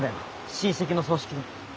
親戚の葬式で。